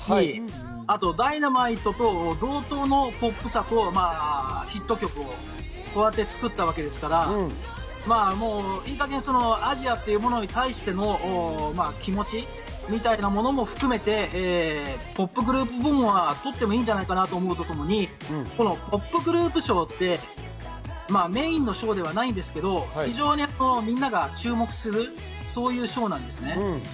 あと『Ｄｙｎａｍｉｔｅ』と同等のポップさとヒット曲を作ったわけですから、いい加減、アジアというものに対しての気持ちみたいなものも含めてポップグループ部門は取ってもいいじゃないかと思うとともに、ポップグループ賞ってメインの賞ではないんですけど、非常にみんなが注目する賞です。